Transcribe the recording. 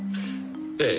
ええ。